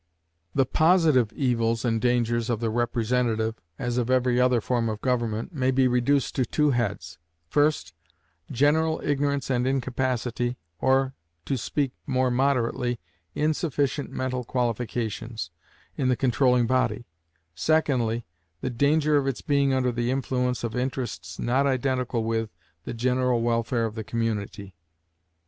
The positive evils and dangers of the representative, as of every other form of government, may be reduced to two heads: first, general ignorance and incapacity, or, to speak more moderately, insufficient mental qualifications, in the controlling body; secondly, the danger of its being under the influence of interests not identical with the general welfare of the community.